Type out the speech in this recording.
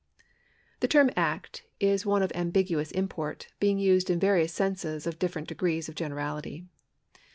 The term act is one of ambiguous import, being used in various senses of different degrees of generality.